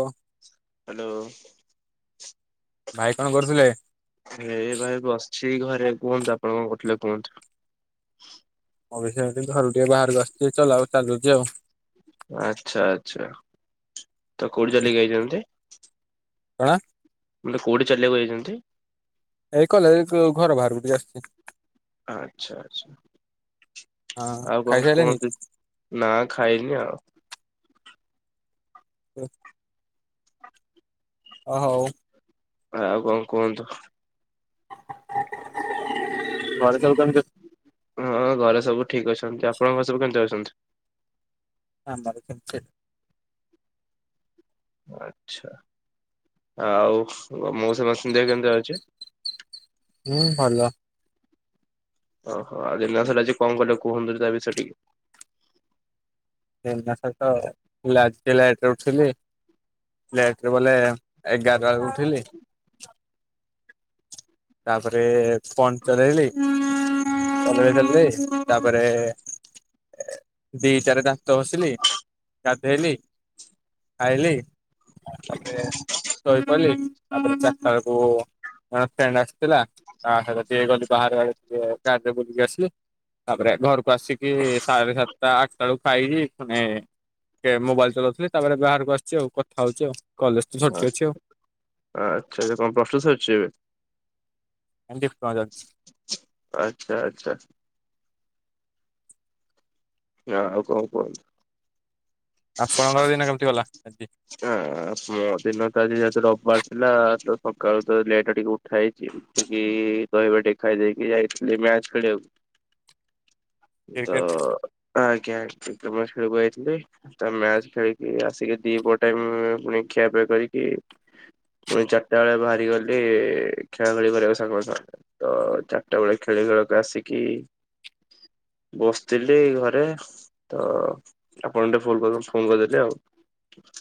ଓ hello ଭାଇ କଣ କରୁଥିଲେ? ଏଇ ଭାଇ ବସିଛି ଘରେ କୁହନ୍ତୁ ଆପଣ କଣ କରୁ ଥିଲେ କୁହନ୍ତୁ? ଅ ବିଷୟ କିନ୍ତୁ ଘରୁ ଟିକେ ବାହାରକୁ ଆସିଛି, ଚ ଆଉ ଚାଲୁଛି ଆଉ ଆଛା ଆଛା, ତ କୋଉଠି ଚାକିରି କରିଛନ୍ତି? କଣ? ମାନେ କୋଉଠି ଚାଲିବାକୁ ଯାଇଛନ୍ତି? ଏଇ କଲେଜ ଘର ବାହାରକୁ ଟିକେ ଆସିଛି। ଆଛା ହଁ ଆଛା। ଆଉ କଣ ଖାଇସାରିଲେନି? କୁହନ୍ତି ନା ଖାଇନି ଆଉ [unintelligible] ଓ ହୋଉ ଆଉ କଣ କୁହନ୍ତୁ? ଘରେ ସବୁ କେମିତି ଅଛନ୍ତି? ହଁ ଘରେ ସବୁ? ଠିକ ଅଛନ୍ତି ଆପଣଙ୍କ ସବୁ କେମିତି ଅଛନ୍ତି? ଆମର ସେମିତି ଆଚ୍ଛା। ଆଉ ମୁଁ ସମସ୍ତ ସନ୍ଧ୍ୟା କେମିତି ଅଛି? ହୁଁ ଭଲ। ଓହୋ ଆଉ ଦିନ ସାରା ଆଜି କଣ କଲେ କୁହନ୍ତୁ ତା ବିଷୟରେ ଟିକେ। ଦିନ ସାରା ତ [unintelligible] ଲେଟ୍ ରେ ଉଠିଲି। ଲେଟରେ ବୋଲେ ଏଗାରଟା ବେଳକୁ ଉଠିଲି। ତାପରେ ଫୋନ୍ ଚଲେଇଲି। [unintelligible] ହେଲି ତାପରେ ଦି ଟାରେ ତା ଦାନ୍ତ ଘସିଲି ଗାଧୋଇଲି ଖାଇଲି ତାପରେ ଶୋଇ ପଡ଼ିଲି ତା ପରେ ଚାରିଟା ବେଳ କୁ [unintelligible] ଥିଲା ତା ସହିତ ଟିକେ ଗଲି ବାହାରେ ଆ ଟିକେ [unintelligible] ବୁଲିକି ଆସିଲି ତାପରେ ଘର ଆସିକି ସାଢେ ସାତଟା ଆଠଟା ବେଳକୁ ଖାଇକି ଟିକେ ମୋବାଇଲ ଚଲଉଥିଲି ତାପରେ ବାହାରକୁ ଆସିଛି ଆଉ କଥା ହଉଛି ଆଉ। କଲେଜ ତ ଛୁଟି ଆ ଅଛି ଆଉ। ଆଚ୍ଛା କଣ ପ୍ଲାସ ଟୁ ସାରିଛି ଏବେ। ଡିପ୍ଲୋମା ଚାଲିଛି ଆଚ୍ଛା ଆଚ୍ଛା। ହଁ ଆଉ କଣ କୁହନ୍ତୁ। ଆପଣଙ୍କର ଦିନ କେମିତି ଗଲା ଆଜି? ହଁ ମ ଦିନ ତ ଆଜି ଯହେତୁ ରବିବାର ଥିଲା ତ ସକାଳୁ ତ ଲେଟରେ ଟିକେ ଉଠା ହେଇଛି। ଟିକେ ଦହି ଭାତ ଟିକେ ଖାଇଦେଇକି ଯାଇଥିଲି ମ୍ୟାଚ ଖେଳିବାକୁ। ତ କ୍ରିକେଟ ଆ ଆଜ୍ଞା କ୍ରିକେଟ ମ୍ୟାଚ ଖେଳି ବାକୁ ଯଇଥିଲି ତା ମ୍ୟାଚ ଖେଳିକି ଆସିକି ଦି ପଟ ଟାଇମ ପୁଣି ଖିଆପିଆ କରିକି ପୁଣି ଚାରିଟା ବେଳେ ବାହାରି ଗଲି ଖେଳା ଖେଳି କରିବା କୁ ସାଙ୍ଗ ଙ୍କ ସହ ତ ଚାରିଟା ବେଳେ ଖେଳ ଖେଳିବେଳକୁ ଆସିକି ବସିଥିଲି ଘରେ ତ ଆପଣ [unintelligible] ଫୋନ କଲେ ଫୋନ କରିଦେଲି ଆଉ।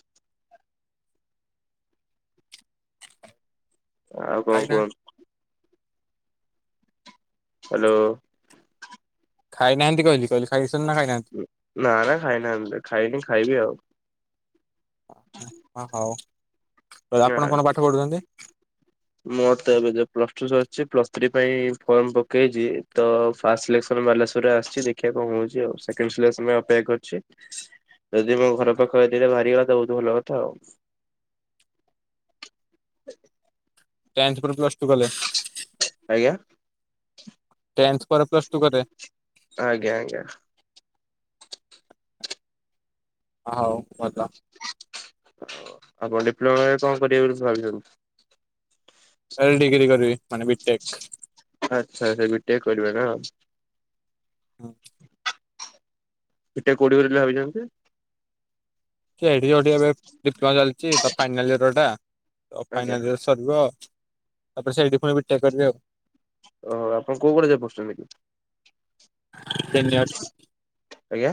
ଆଉ କଣ ଖାଇନାହାନ୍ତି? କୁହନ୍ତୁ। ହ୍ୟାଲୋ। ଖାଇନାହାନ୍ତି କହିଲି କହିଲି ଖାଇ ନା ନା ଖାଇନାହାନ୍ତି ଖାଇନି ଖାଇବି ଆଉ। ହ ହଉ। ଆପଣ କଣ ପାଠ ପଢୁଛନ୍ତି? ମୋତେ ଏବେ ପ୍ଲସ ଟୁ ସରିଛି ପ୍ଲସ୍ ଥ୍ରୀ ପାଇଁ ଫର୍ମ ପକେଇଛି ତ ଫାଷ୍ଟ ସିଲେକ୍ସନ ବାଲେଶ୍ଵରରେ ଆସିଛି ଦେଖିବା କଣ ହଉଛି ଆଉ ସେକେଣ୍ଡ ସିଲେକ୍ସନ ଅପେକ୍ଷା କରିଛି ଯଦି ମୋ ଘର ପାଖ ଏରିଆ ରେ ବାହାରିଗଲା ତ ବହୁତ ଭଲ କଥା ଆଉ। ଟେନ୍ଥ ପରେ ପ୍ଲସ ଟୁ କଲେ? ଆଜ୍ଞା ଟେନ୍ଥ ପରେ ପ୍ଲସ ଟୁ କଲେ ଆଜ୍ଞା ଆଜ୍ଞା। ହଉ ଭଲ। ଆପଣ ଡିପ୍ଲୋମା ରେ କଣ କରିବେ ବୋଲି ଭାବିଛନ୍ତି। ଏଲ ଡିଗ୍ରୀ କରିବି ମାନେ ବିଟେକ। ଆଚ୍ଛା ଆଚ୍ଛା ବିଟେକ୍ କରିବେ ନା। ହଁ। ବିଟେକ୍ କୋଉଠି କରିବେ ବୋଲି ଭାବିଛନ୍ତି? [unintelligible] ଏବେ ଡିପ୍ଲୋମା ଚାଲିଛି ତ ଫାଇନାଲ ଇଅରଟା ତ ଆଜ୍ଞା ଫାଇନାଲ ୟର ସରିବ ତାପରେ ସେଇଠି ପୁଣି ବିଟେକ୍ କରିବି ଆଉ। ଓ ହୋ ଆପଣ କୋଉ କଲେଜ ରେ ପଢ଼ୁଛନ୍ତି କି? ତିନି ଇୟର ଆଜ୍ଞା।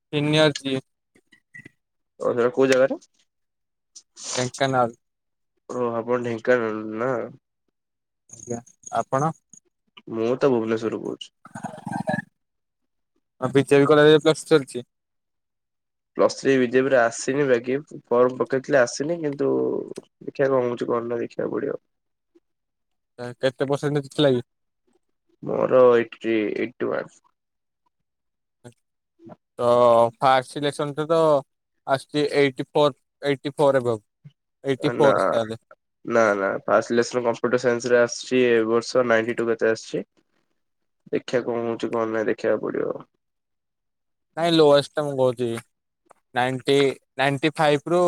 [unintelligible] ଓ ସେଟା କୋଉ ଜାଗାଟା? ଢେଙ୍କାନାଳ। ଓ ଆପଣ ଢେଙ୍କାନାଳ ରୁ ନା? ଆଜ୍ଞା, ଆପଣ? ମୁଁ ତ ଭୁବନେଶ୍ଵର ରୁ କହୁଛି। ଆଉ ବି [unintelligible] ପ୍ଲସ୍ ଚାଲିଛି। ପ୍ଲସ୍ ଥ୍ରୀ ବିଜେପିରେ ଆସିନି ବାକି ଫର୍ମ ପକେଇଥିଲି ଆସିନି। କିନ୍ତୁ ଦେଖିବା କଣ ହଉଚୁ। ଗଲେ ଦେଖିବାକୁ ପଡିବ। ଆ, କେତେ ପରସେଣ୍ଟ ଥିଲା କି? ମୋର ଏଇଟି, ଏଇଟି ୱାନ୍ସ। ଆ, ତ ଫାଷ୍ଟ ସିଲେକ୍ସନ ତ ତ ଆସିଚି eighty four eighty four above. ଏ ନା ନା ନା ଫାଷ୍ଟ ସିଲେକ୍ସନ କମ୍ପୁଟର ସାଇନ୍ସ ରେ ଆସି ଚି, ଏ ବର୍ଷ ନାଇଟି ଟୁ କେତେ ଆସିଛି। ଦେଖିଆ କଣ ହଉଛି କଣ ନାହିଁ ଦେଖିବାକୁ ପଡିବ। ନାଇଁ ଲୋୟଷ୍ଟ ମୁଁ କହୁଚି। ନାଇଣ୍ଟି ନାଇଣ୍ଟି ଫାଇପ୍ ରୁ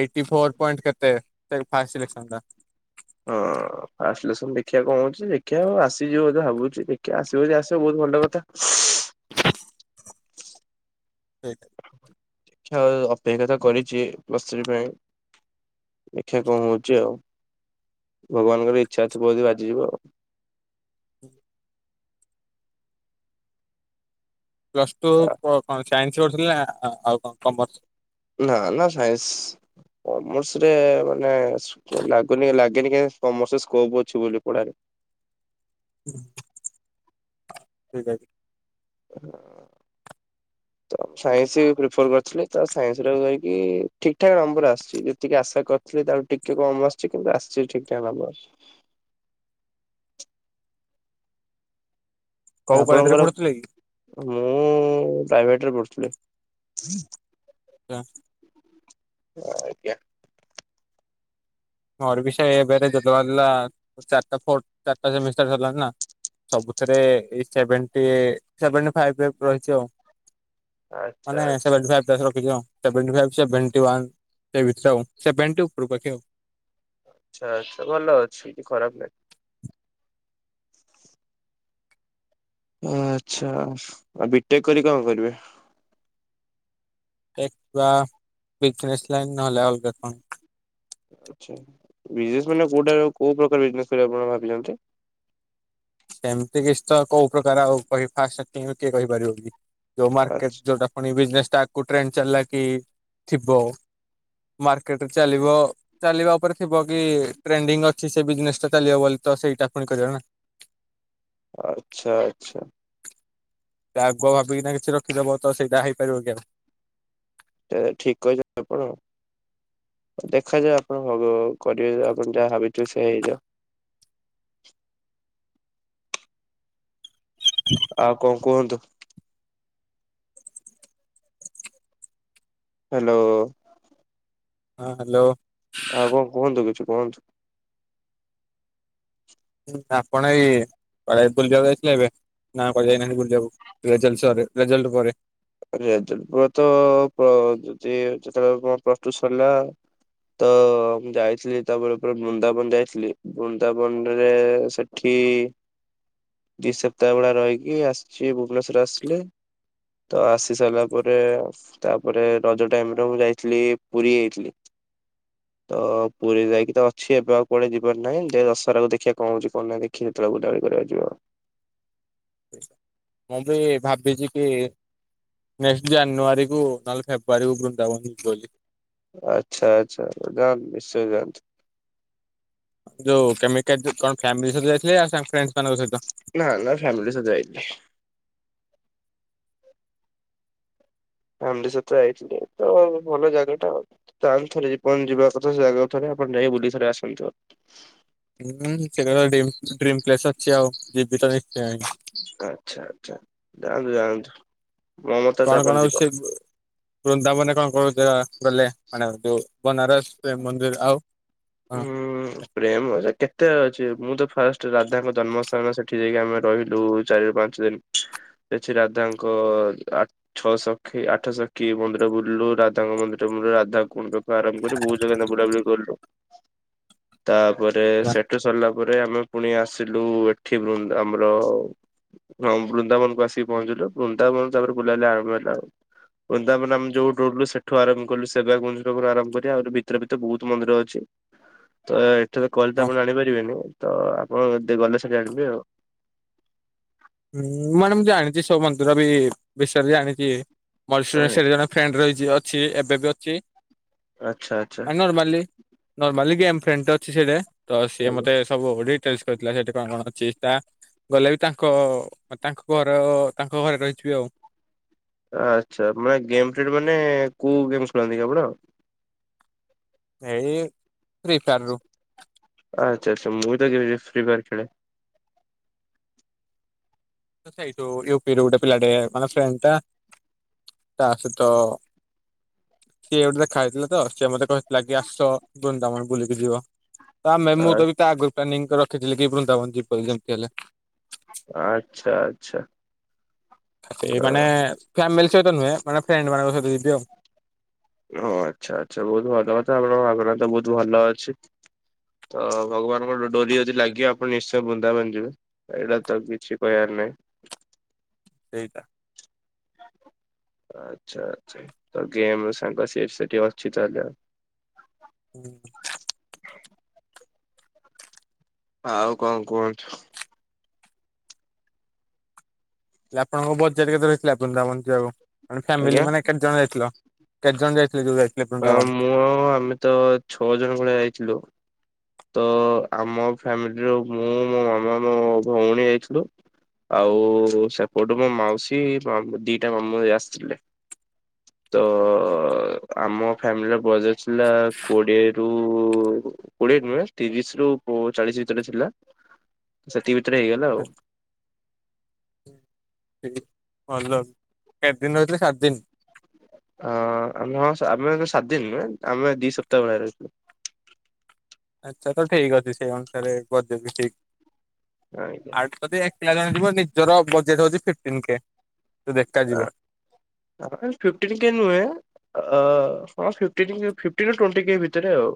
ଏଇଟି ଫୋର୍ ପଏଣ୍ଟ କେତେ ସେ ଫାଷ୍ଟ ସିଲେକ୍ସନ ଟା। ଓ। ଓ ଫାଷ୍ଟ ସିଲେକ୍ସନ ଦେଖିଆ କଣ ହଉଚି। ଦେଖିଆ ଆସିଯିବ ବୋଧେ ଭାବୁଛି ଦେଖିଆ ଆସିବ ଯଦି ଆସିବ ବହୁତ ଭଲ କଥା। ହେଇଥ କ୍ଷ, ଅପେକ୍ଷା ତ କରିଛି ପ୍ଲସ୍ ଥ୍ରୀ ପାଇଁ। ଦେଖିଆ କଣ ହଉଚି ଆଉ। ଭଗବାନଙ୍କର ଇଚ୍ଛା ଥିବ ଯଦି ବାଜିଯିବ। ହୁଁ ପ୍ଲସ୍ ଟୁ ଆଉ। କ-କଣ ସାଇନ୍ସ ପଢ଼ୁଥୁଲୁ ନା ଆ, ଆଉ କଣ କମର୍ସ? ନା ନା ସାଇନ୍ସ। କମର୍ସ ରେ ମାନେ ସ-କ-ଲାଗୁନି ଲାଗେନି କାଇଁନା କମର୍ସରେ ସ୍କୋପ୍ ଅଛି ବୋଲି ପଢାରେ। ଠିକ ଅଛି। ହଁ। [unintelligible] ସାଇନ୍ସ ପ୍ରିଫର୍ କରିଥିଲି ତ ସାଇନ୍ସ ରେ ରହିକି ଠିକ ଠାକ ନମ୍ବର୍ ଆସିଛି ଯେତିକି ଆଶା କରିଥିଲି। ଲି। ତା ଠୁ ଟିକେ କମ ଆସିଛି କିନ୍ତୁ ଆସିଛି ଠିକଠାକ ନମ୍ବର୍। [unintelligible] କୋଉ କଲେଜ୍ ରେ ଆପଣଙ୍କର ପଢୁଥୁଲେ କି? ମୁଁ ପ୍ରାଇଭେଟ୍ ରେ ପଢ଼ୁଥିଲି। ରା ଆଜ୍ଞା। ମୋର ବି ସେ ଏବେ ରେଜଲ୍ଟ ବାହାରିଲା। ଚାଟା ଫୋର୍ ଚାଟା ସେମିଷ୍ଟାର ସରିଲାଣି ନା। ସବୁଥିରେ ଏଇ ସେଭେଣ୍ଟି ସେଭେଣ୍ଟି ଫାଇପ୍ [inaudible] ରହିଛି ଆଉ। ଆଚ୍ଛା ମାନେ ଆଚ୍ଛା ସେଭେଣ୍ଟି ଫାଇପ୍ ପ୍ଲସ୍ ରଖିଛି ଆଉ। ସେଭଣ୍ଟି ଫାଇପ୍ ସେଭେଣ୍ଟି ୱାନ୍ ସେଇ ଭିତରେ ସେଭେଣ୍ଟି ଉପରକୁ ଅଛି ଆଉ। ଆଚ୍ଛା ଆଚ୍ଛା ଭଲ ଅଛି କି ଖରାପ ନାହିଁ। ଓ ଆଚ୍ଛା ଆଉ ବିଟେକ୍ କରି କଣ କରିବେ? [unintelligible] ବିଜେନେସ୍ ଲାଇନ୍ ନହେଲେ ଅଲଗା କଣ। ଆଚ୍ଛା ବିଜନେସ୍ ମାନେ କୋଉଟାର କୋଉ ପ୍ରକାର ବିଜେନେସ୍ କରିବେ ଆପଣ ଭାବିଛନ୍ତି? ସେମିତି କିସି ତ କୋଉ ପ୍ରକାର ଆଉ କହି ଫାଷ୍ଟ ଷ୍ଟାଟିଙ୍ଗରୁ କିଏ କହିପାରିବ କି। ଯୋଉ ମାର୍କେଟ୍ ଆଚ୍ଛା ଯୋଉଟା ପୁଣି ବିଜନେସ୍ ଟାକୁ ଟ୍ରେଣ୍ଡ ଚାଲିଲା କି ଥିବ। ମାର୍କେଟ୍ ରେ ଚାଲିବ। ଚାଲିବା ଉପରେ ଥିବ କି ଟ୍ରେଣ୍ଡିଙ୍ଗ ଅଛି ସେ ବିଜନେସ୍ ଟା ଚାଲିବ ବୋଲ ତ ସେଇଟା ପୁଣି କରିବା ନା ଆଛା ଆଛା ଆଗ ଭାବିକିନା କିଛି ରଖିଦବ ତ ସେଇଟା ହେଇପାରିବ କି ଆଉ ତାହେଲେ ଠିକ କହିଛନ୍ତି ଆପଣ ଦେଖାଯାଉ ଆପଣ ହ କରିବେ ଆପଣ ଯାହା ଭାବିଛୁ ସେୟା ହେଇଯାଉ। [inaudible] ଆଉ କଣ କୁହନ୍ତୁ? ହାଲୋ ହଁ ହାଲୋ କୁହନ୍ତୁ କିଛି କୁହନ୍ତୁ? ଆପଣ ଏଇ କୁଆଡ଼େ ବୁଲିିବାକୁ ଯାଇଥିଲେ ଏବେ ନା କୁଆଡ଼େ ଯାଇନାହାନ୍ତି ବୁଲିିବାକୁ? ରେଜଲ୍ଟ ସରେ ରେଜଲ୍ଟ ପରେ ରେଜଲ୍ଟ ପ ତ ଯଦି ଯେତେବେଳେ ପ୍ଲସ ଟୁ ସରିଲା। ତ ମୁ ଯାଇଥିଲି, ତାପରେ ପୁର ବୃନ୍ଦାବନ ଯାଇଥିଲି ବୃନ୍ଦାବନ ରେ ସେଠି ଦି ଦି ସପ୍ତାହ ଭଳିଆ ରହିକି ଆସିଛି ଭୁବନେଶ୍ଵର ଆସିଲେ ତ ଆସି ସାରିଲା ପରେ, ତାପରେ ରଜ ଟାଇମରେ ମୁଁ ଯାଇଥିଲି ପୁରୀ ଯାଇଥିଲି। [inaudible] ତ ପୁରୀ ଯାଇକି ତ ଅଛି ଏବେ ଆଉ କୁଆଡେ ଯିବାର ନାହିଁ। ଯେ ଦଶରାକୁ ଦେଖିବା କଣ ହଉଛି କଣ ନାହିଁ ଦେଖି ଯେତେବେଳେ ବୁଲାବୁଲି କ [unintelligible] ମୁଁ ବି ଭାବିଛି କି ନେକ୍ସଟ ଜାନୁଆରକୁ ନହେଲେ ଫେବୃଆରୀକୁ ବୃନ୍ଦାବନ ଯିବି ବୋଲି। ଆଛା ଆଛା, ଯାଆନ୍ତୁ ନିଶ୍ଚୟ ଯାଆନ୍ତୁ। ଯଉ କେମିତି କଣ ଫ୍ୟାମିଲି ସ ଯାଇଥିଲେ ଆଉ ସା ଫ୍ରେ ନା ନା ଫ୍ୟାମିଲି ସହିତ ଯାଇନି। ଫ୍ୟାମିଲି ସହିତ ଯାଇଥିଲେ ତ ଭଲ ଜାଗା ଟା ଜାହାନେ ଜୀବନ ଯିବା କଥା ସେ ଜାଗାକୁଥରେ। ଆପଣ ଯାଇ ବୁଲିକି ଥରେ ଆସନ୍ତୁ ଆଉ ହୁଁ ସେଟା ତ ଡି ଡ୍ରିମ୍ ପ୍ଲେସ୍ ଅଛି ଆଉ ଜିବିତ ନିଶ୍ଚୟ। ଆଛା ଆଛା, ଯାଆନ୍ତୁ ଯାଆନ୍ତୁ ମୋ ମତ ତ ଆପଣ ଯିବ? ବୁ ବୃନ୍ଦାବନ ରେ କଣ କରୁଛ ଗଲେ ମାନେ ଯୋଉ ବନାରସ ପ୍ରେମ୍ ମନ୍ଦିର ଆଉ ହୁଁ ପ୍ରେମ ଅ କେତେ ଅଛି? ମୁଁ ତ ଫାଷ୍ଟ ରାଧାଙ୍କ ଜନ୍ମସ୍ଥାନ ସେଠି ଯାଇକି ଆମେ ରହିଲୁ, ଚାରି ରୁ ପାଞ୍ଚ ଦିନ ସେଠି ରାଧା ରାଧାଙ୍କ ଆ ଛଅ ସଖୀ ଆଠ ସଖୀ ମନ୍ଦିର ବୁଲିଲୁ। ରାଧାଙ୍କ ମନ୍ଦିର ବୁଲିଲୁ, ରାଧା କୁଣ୍ଡ ଠୁ ଆରମ୍ଭ କରି ବହୁତ ଜାଗା ହେଲା ବୁଲା ବୁଲି କଲୁ। ତାପରେ କଣ ସେଠୁ ସରିଲା ତାପରେ, ଆମେ ପୁଣି ଆସିଲୁ ଏଠି ବୃନ୍ଦ ଆମର ହଁ ବୃନ୍ଦାବନକୁ ଆସିକି ପହଞ୍ଚିଲୁ। ବୃନ୍ଦାବନ ତାପରେ ବୁଲିଲଲେ ଆରମ୍ଭ ହେଲା ଆଉ। ବୃନ୍ଦାବନ ଆମେ ଯୋଉଠି ରହୁଥିଲୁ, ସେଠୁ ଆରମ୍ଭ କଲୁ ସେବାଗ ମନ୍ଦିର ପାଖରୁ ଆରମମ୍ଭ କରି ଆ ଭିତରେ ଭିତରେ ବହୁତ ମନ୍ଦିର ଅଛି। ତ ଏଠି ତ କହିଲେ ତ ହଁ ଆପଣ ଜାଣିପାରିବେନି। ତ ଆପଣ ଦେ ଗଲେ ସେଠି ଜାଣିବେ ଆଉ। ହୁଁ ମାନେ ମୁଁ ଜାଣିଛି ସବୁ ମନ୍ଦିର ବି ବିଷୟ ରେ ଜାଣିଛି। ମୋର ସେ ସେଠି ଜଣେ ଫ୍ରେଣ୍ଡ ରହିଛି ଅଛି ଏବେ ବି ଅଛି। ଆଚ୍ଛା ଆଚ୍ଛା ଆ ନର୍ମଲି ନର୍ମଲି ଗେମ ଫ୍ରେଣ୍ଡ ଅଛି ସେଠି। ତ ସିଏ ଆଜ୍ଞା। ମୋତେ ସବୁ ଡିଟେଲସ କହିଥିଲା! ସେଠି କଣ କଣ ଅଛି ଟା ଗଲେ ବି ତା ଙ୍କ ତାଙ୍କ ଘର ତାଙ୍କ ଘରେ ରହିଯିବି ଆଉ। ଆଛା, ମାନେ ଗେମ୍ ଖେଳୁ ମାନେ କୋଉ ଗେମ୍ ଖେଳନ୍ତି କି ଆପଣ? ଏଇ ଫ୍ରି ଫାର ରୁ ଆଛା ଆଛା, ମୁଁ ତ କେବେ ବି ଫ୍ରି ଫାୟାର ଖେଳେ। ତ ଏଇଠୁୁ ୟୁପିରେ ଗୋଟେ ପିଲାଟେ ମାନେ ଫ୍ରେଣ୍ଡ ଟା। ତା ସହିତ ସିଏ ଗୋଟେ ଦେଖା ହେଇଥିଲା ତ, ସିଏ ମତେ କହି ଲାଗି ଆସ ବୃନ୍ଦାବନ ବୁଲିକି ଯିବ। ତ ଆମେ ମୁଁ ଆ- ତ ବି ତା ଆଗରୁ ପ୍ଲାନିଂ କରି ର ଖିଥିଲି କି ବୃନ୍ଦାବନ ଯିବି ଯେମିତି ହେଲେ। ଆଚ୍ଛା ଆଚ୍ଛା। ତ ସେଇ ମାନେ ଫ୍ୟାମିଲି ସହିତ ନୁହେଁ, ମାନେ ଫ୍ରେଣ୍ଡ ମାନଙ୍କ ସହିତ ଯିବି ଆଉ। ଓ ଆଚ୍ଛା ଆଚ୍ଛା ବହୁତ ଭଲ କଥା ଆପଣଙ୍କ ଭଗ୍ୟତା ତ ବହୁତ ଭଲ ଅଛି। ତ ଭଗବାନଙ୍କ ଡୋରି ଯଦି ଲାଗିବ ଆପଣ ନିଶ୍ଚୟ ବୁନ୍ଦାବନ ଯିବେ ଏଇଟା ତ କିଛି କହିବ ନା ନାଇଁ। ସେଇଟା। ଆଚ୍ଛା ଆଛା ତ ଗେମ ସାଙ୍ଗ ସିଏ ସେଠି ଅଛି ତାହେଲେ ଆଉ। ହୁଁ। ଆଉ କଣ କୁହନ୍ତୂ। ହେଲେ ଆପଣଙ୍କ ବଜେଟ କେତେ ରହିଥିଲା ବୃନ୍ଦାବନ ଯିବାକୁ ମା ଫାମିଲି ଆଜ୍ଞା ମାନେ କେତେ ଜଣ ଯାଇଥିଲ? କେତ ଜଣ ଯାଇ ହଁ ମୁଁ ଆଉ ଆମେ ତ ଛଅ ଜଣ ଭଳିଆ ଯାଇଥିଲୁ। ତ ଆମ ଫ୍ୟାମିଲିରୁ ମୁଁ ମୋ ମାମା ମୋ ଭଉଣୀ ଯାଇଥିଲୁ। ଆଉ ସେପଟୁ ମୋ ମାଉସୀ ମାମୁ ଦିଟା ମାମୁ ଆସିଥିଲେ। ତ ଅ ଆମ ଫ୍ୟାମିଲି ର ବଜେଟ ଥିଲା କୋଡିଏ ରୁ କୋଡିଏ ନୁହେଁ ତିରିଶି ରୁ ଚାଳିଶ ଭିତରେ ଥିଲା ସେଠି [unintelligible] ଭଲ କେତେ ଦିନ ରହିଥିଲେ ସାତ ଦିନ? ହଁ ଆମେ ହଁ ଆମେ ସାତ ଦିନ ନୁହେଁ ଆମେ ଦି ସପ୍ତାହ ଭଳିଆ ରହିଥିଲୁ। ଆଚ୍ଛା ତ ଠିକ ଅଛି ସେଇ ଅନୁସାରେ ବଜେଟ୍ ବି ଠିକ। ଆଜ୍ଞା। ଆଉ ଯଦି ଏକୁଟିଆ ଜଣେ ଯିବ ନିଜର ବଜେଟ୍ ହଉଛି ଫିଫଟିନ୍ କେ। ଦେଖାଯିବ ଆ ଫିଫଟିନ୍ କେ ନୁହେଁ ଆ ଓ ହଁ ଫିଫଟିନ୍ ରୁ ଟୋଣ୍ଟି କେ ଭିତରେ ଆଉ।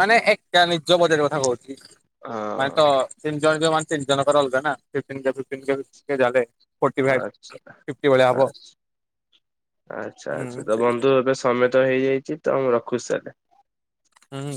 ମାନେ ଏକା ନିଜ ବଜେଟ୍ କଥା କହୁଛି ମାନେ ତ ହଁ ତିନି ଜଣ ମାନେ ତିନି ଜଣ ଙ୍କର ଅଲଗା ନା ଫିଫଟିନ୍ କେ ଫିଫଟିନ୍ କେ ଜାଦେ ଆଚ୍ଛା ଆଚ୍ଛା। ଆଚ୍ଛା ଆଚ୍ଛା ହୁଁ ତ ସେଇଟା ବନ୍ଧୁ ଏବେ ସମୟ ତ ହେଇଯାଇଛି ତ ମୁଁ ରଖୁଛି ତାହେଲେ। ହୁଁ।